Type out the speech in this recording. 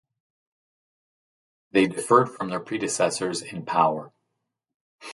They differed from their predecessors in power.